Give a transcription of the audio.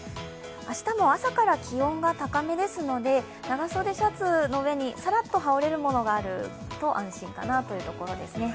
明日も朝から気温が高めですので、長袖シャツの上にさらっと羽織れるものがあると安心かなというところですね。